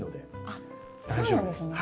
あっそうなんですね。